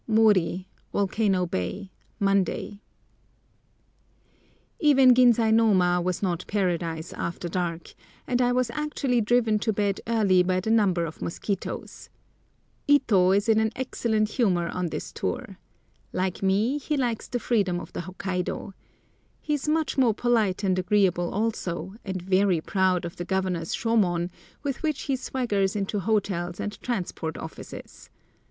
MORI, VOLCANO BAY, Monday. Even Ginsainoma was not Paradise after dark, and I was actually driven to bed early by the number of mosquitoes. Ito is in an excellent humour on this tour. Like me, he likes the freedom of the Hokkaidô. He is much more polite and agreeable also, and very proud of the Governor's shomon, with which he swaggers into hotels and Transport Offices.